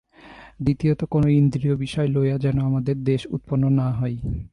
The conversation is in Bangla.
দ্বিতীয়ত কোন ইন্দ্রিয়-বিষয় লইয়া যেন আমাদের দ্বেষ উৎপন্ন না হয়।